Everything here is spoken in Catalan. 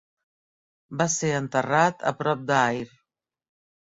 Va ser enterrat a prop d'Ayr.